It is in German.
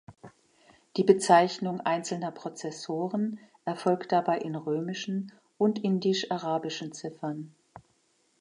Die Bezeichnung einzelner Prozessoren erfolgt dabei in römischen und indisch-arabischen Ziffern.